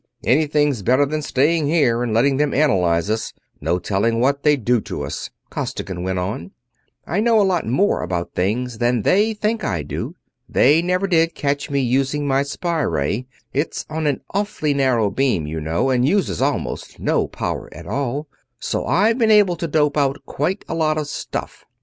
"Anything's better than staying here and letting them analyze us no telling what they'd do to us," Costigan went on. "I know a lot more about things than they think I do. They never did catch me using my spy ray it's on an awfully narrow beam, you know, and uses almost no power at all so I've been able to dope out quite a lot of stuff.